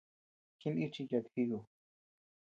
Jinichiy yat jíku.